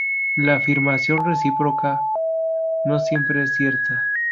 La afirmación recíproca no siempre es cierta.